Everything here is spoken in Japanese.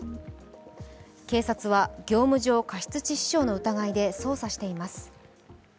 警察は、業務上過失致死傷の疑いで捜査しています。